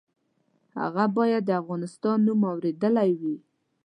هغه باید د افغانستان نوم اورېدلی وي.